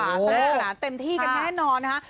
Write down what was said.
สร้างการอาจารย์เต็มที่กันแน่นอนนะคะ